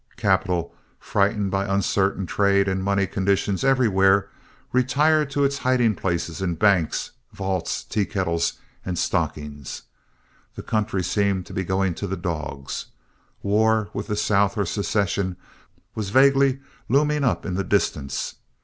Capital, frightened by uncertain trade and money conditions, everywhere, retired to its hiding places in banks, vaults, tea kettles, and stockings. The country seemed to be going to the dogs. War with the South or secession was vaguely looming up in the distance.